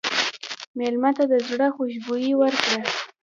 مېلمه ته د زړه خوشبويي ورکړه.